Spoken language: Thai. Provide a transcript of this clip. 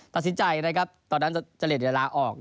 ตัดสินใจนะครับตอนนั้นเจลียดเวลาออก